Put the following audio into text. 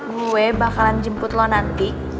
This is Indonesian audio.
gue bakalan jemput loh nanti